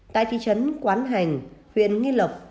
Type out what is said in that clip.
tại thị trấn quán hành huyện nghi lộc